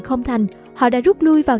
không thành họ đã rút lui vào